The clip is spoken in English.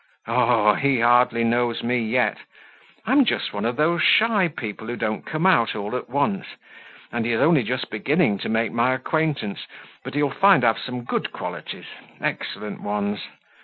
"Oh, he hardly knows me yet! I'm one of those shy people who don't come out all at once, and he is only just beginning to make my acquaintance, but he'll find I've some good qualities excellent ones!